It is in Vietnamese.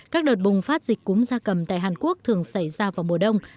các đợt bùng phát dịch cúm da cầm tại hàn quốc thường xảy ra vào mùa đông